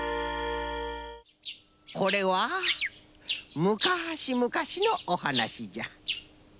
これはむかしむかしのおはなしじゃ。